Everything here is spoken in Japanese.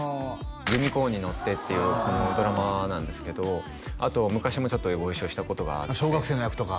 「ユニコーンに乗って」っていうこのドラマなんですけどあとは昔もちょっとご一緒したことがあって小学生の役とか？